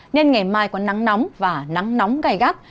nên ngày mai có nắng nóng và nắng nóng gai gắt